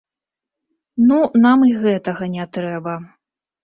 Ну нам і гэтага не трэба.